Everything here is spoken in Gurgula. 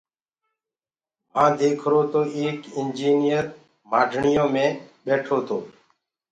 وهآنٚ ديکرو تو ايڪ اِنجنئير ڪيبيني مي ٻيٺو تو۔